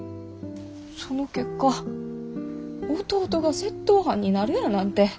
その結果弟が窃盗犯になるやなんて。